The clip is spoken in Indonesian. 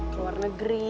ke luar negeri